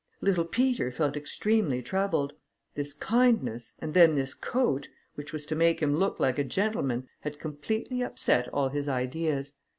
Little Peter felt extremely troubled; this kindness, and then this coat, which was to make him look like a gentleman, had completely upset all his ideas.